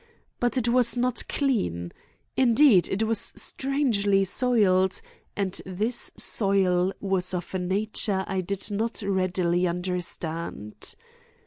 But it was not clean. Indeed it was strangely soiled, and this soil was of a nature I did not readily understand.